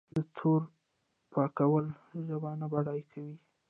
د تورو پاکول ژبه نه بډای کوي.